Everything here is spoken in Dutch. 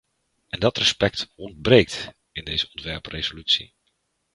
En dat respect ontbreekt in deze ontwerpresolutie.